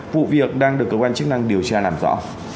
vụ việc đang được cơ quan chức năng điều tra làm rõ